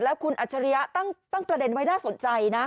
คุณอัจฉริยะตั้งประเด็นไว้น่าสนใจนะ